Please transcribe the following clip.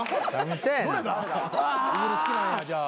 ゆずる好きなんやじゃあ。